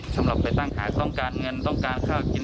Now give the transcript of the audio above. สำหรับไปตั้งขายต้องการเงินต้องการข้าวกิน